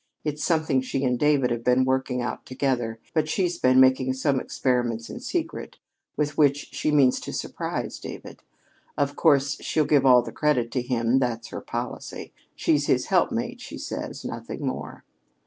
It's something she and David have been working out together, but she's been making some experiments in secret, with which she means to surprise David. Of course she'll give all the credit to him that's her policy. She's his helpmate, she says, nothing more."